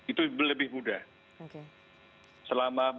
itu lebih mudah